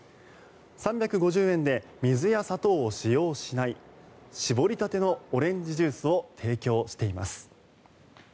３５０円で水や砂糖を使用しない搾りたてのオレンジジュースを提供しています。